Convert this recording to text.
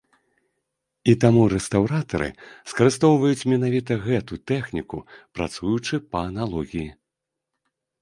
І таму рэстаўратары скарыстоўваюць менавіта гэту тэхніку, працуючы па аналогіі.